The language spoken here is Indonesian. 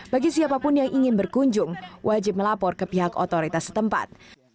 bagi siapapun yang ingin berkunjung wajib melapor ke pihak otoritas setempat